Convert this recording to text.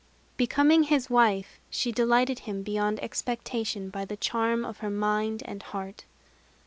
Becoming his wife, she delighted him beyond expectation by the charm of her mind and heart.